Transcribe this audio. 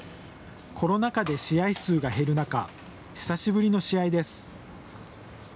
コロナ禍で試合数が減る中久しぶりの試合です。